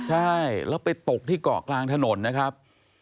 ใช่แล้วไปตกที่เกาะกลางถนนนะครับ